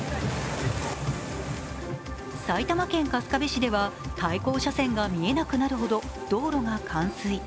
埼玉県春日部市では対向車線が見えなくなるほど道路が冠水。